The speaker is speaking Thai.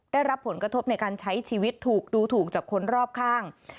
ได้รับผลกระทบในการใช้ชีวิตถูกดูถูกจากคนรอบข้าง